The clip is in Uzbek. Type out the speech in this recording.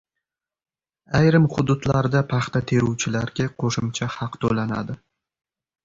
Ayrim hududlarda paxta teruvchilarga qo‘shimcha haq to‘lanadi